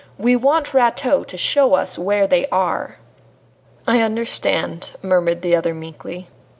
We want Rateau to show us where they are." "I understand," murmured the other meekly.